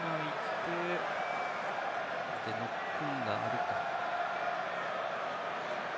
ノックオンがあるか？